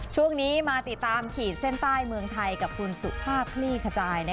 ช่วงนี้มาติดตามขีดเส้นใต้เมืองไทยกับคุณสุภาพคลี่ขจาย